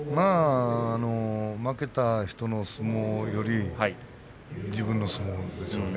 負けた人の相撲より自分の相撲ですよね。